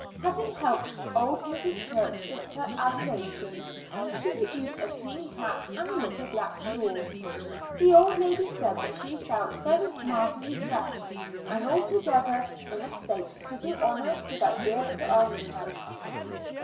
Having helped old Mrs. Church with her ablutions, she produced a clean cap and a little black shawl. The old lady said that she felt very smart and refreshed, and altogether in a state to do honor to that dear little almshouse.